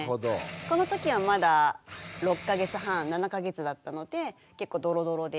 この時はまだ６か月半７か月だったので結構ドロドロです。